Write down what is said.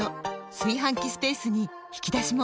炊飯器スペースに引き出しも！